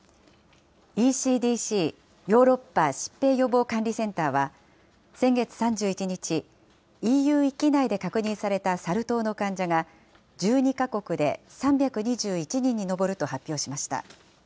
ＥＣＤＣ・ヨーロッパ疾病予防管理センターは、先月３１日、ＥＵ域内で確認されたサル痘の患者が１２か国で３２１人に上ると発表しました。